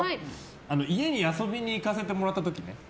家に遊びに行かせてもらった時ね。